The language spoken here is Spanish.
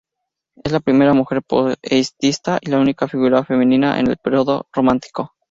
Es la primera mujer poetisa y la única figura femenina en el período romántico.